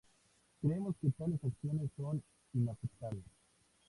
Creemos que tales acciones son inaceptables".